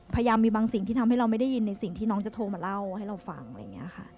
พยายามมีบางสิ่งที่ทำให้เราไม่ได้ยินในสิ่งที่น้องจะโทรมาเล่าให้เราฟังอะไรอย่างนี้ค่ะ